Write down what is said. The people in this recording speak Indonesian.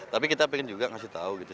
tapi kita pengen juga ngasih tahu gitu